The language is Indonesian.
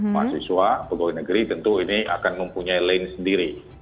mahasiswa pegawai negeri tentu ini akan mempunyai lane sendiri